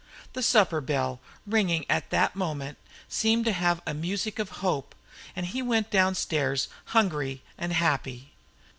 The supper bell, ringing at that moment, seemed to have a music of hope; and he went downstairs hungry and happy.